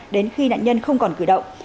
đến khi nạn nhân không còn cử động